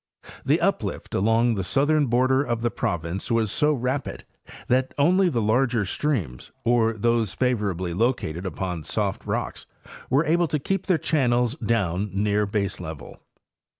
The uplift along the southern border of the province was so rapid that only the larger streams or those favorably located upon soft rocks were able to keep their channels down near baselevel.